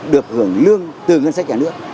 được hưởng lương từ ngân sách nhà nước